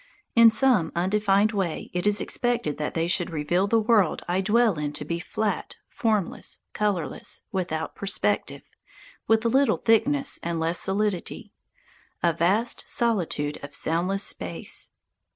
In some undefined way it is expected that they should reveal the world I dwell in to be flat, formless, colourless, without perspective, with little thickness and less solidity a vast solitude of soundless space.